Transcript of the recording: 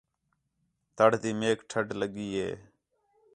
تَڑ تی میک ٹَھݙ لڳی ہے